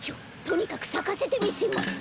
とにかくさかせてみせます。